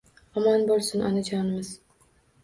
Omon bulsin onajonimiz